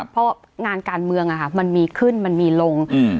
เพราะงานการเมืองมันมีขึ้นมันมีลง